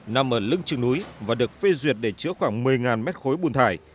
nằm ở lưng trường núi và được phê duyệt để chữa khoảng một mươi mét khối bùn thải